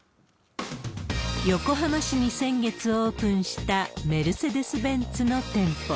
横浜市に先月オープンしたメルセデス・ベンツの店舗。